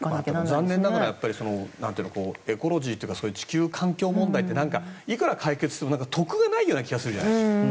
残念ながらエコロジーというかそういう地球環境問題っていくら解決しても得がないような気がするじゃないですか。